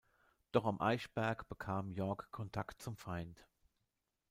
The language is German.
Doch am Eichberg bekam Yorck Kontakt zum Feind.